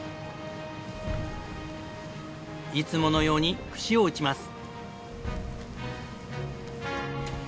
いつものように串を打ちます。